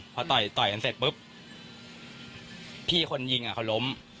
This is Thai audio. พอต่อยต่อยกันเสร็จปุ๊บพี่คนยิงเขาล้ม